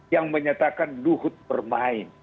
yang menyatakan lukut bermain